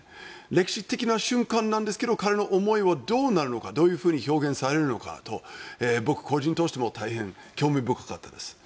歴史的な瞬間なんですけど彼の思いがどうなるのかどういうふうに表現されるのかと僕、個人としても大変興味深かったです。